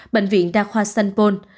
bệnh viện đa khoa st paul